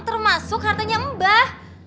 termasuk hartanya mbah